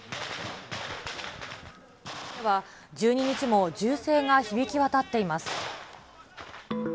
１２日も銃声が響き渡っています。